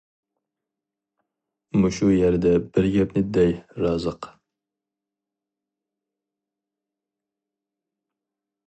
مۇشۇ يەردە بىر گەپنى دەي رازىق.